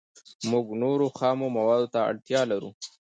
موږ نورو خامو موادو ته اړتیا لرو